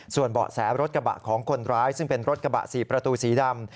ส่วนเบาะแสรถกระบะของคนร้ายซึ่งเป็นรถกระบะ๔ประตูสีดำ